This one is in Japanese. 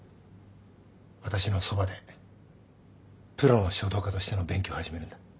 私のそばでプロの書道家としての勉強を始めるんだ。